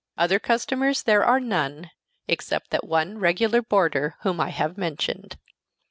Other customers there are none, except that one regular boarder whom I have mentioned.